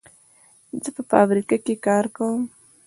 زه په فابریکه کې کار کوم.